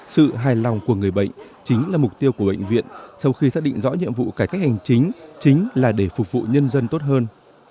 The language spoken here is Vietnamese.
sự hài lòng của người bệnh chính là mục tiêu của bệnh viện sau khi xác định rõ nhiệm vụ cải cách hành chính chính là để phục vụ nhân dân tốt hơn